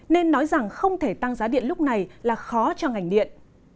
nên nói rằng không thể tăng giá điện lúc này là khó cho ngành điện